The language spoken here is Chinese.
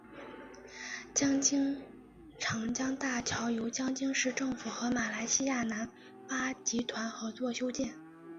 江津长江大桥由江津市政府和马来西亚南发集团合作修建。